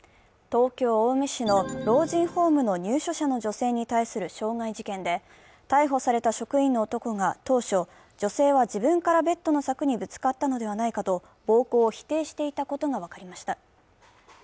東京・青梅市の老人ホームの入所者の女性に対する傷害事件で、逮捕された職員の男が当初、女性は自分からベッドの柵にぶつかったのではないかと暴行を否定していたことが分かりました。